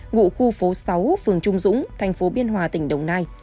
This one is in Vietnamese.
ngụ khu phố sáu phường trung dũng tp biên hòa tỉnh đồng nai